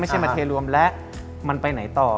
ไม่ใช่มาเทรวมและมันไปไหนต่อ